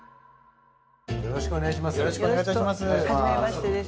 よろしくお願いします